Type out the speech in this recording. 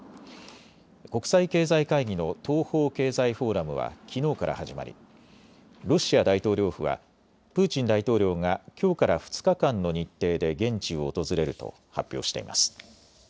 国際経済会議の東方経済フォーラムはきのうから始まり、ロシア大統領府はプーチン大統領がきょうから２日間の日程で現地を訪れると発表しています。